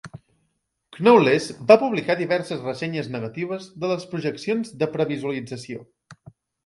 Knowles va publicar diverses ressenyes negatives de les projeccions de previsualització.